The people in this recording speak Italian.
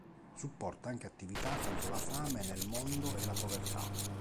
Supporta anche attività contro la fame nel mondo e la povertà.